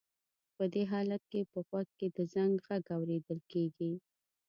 په دې حالت کې په غوږ کې د زنګ غږ اورېدل کېږي.